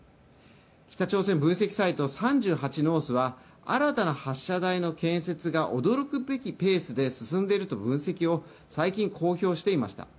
北朝鮮分析サイト、３８ノースは新たな発射台の建設が驚くべきペースで進んでいるという分析を最近、公表していました。